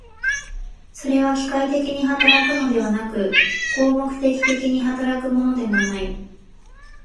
それは機械的に働くのではなく、合目的的に働くのでもない。